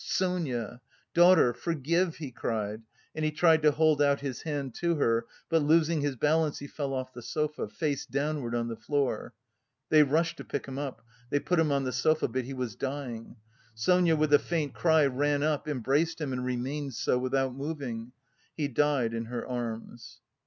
"Sonia! Daughter! Forgive!" he cried, and he tried to hold out his hand to her, but losing his balance, he fell off the sofa, face downwards on the floor. They rushed to pick him up, they put him on the sofa; but he was dying. Sonia with a faint cry ran up, embraced him and remained so without moving. He died in her arms.